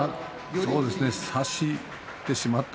差してしまった。